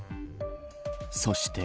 そして。